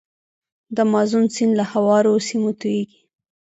د مازون سیند له هوارو سیمو تویږي.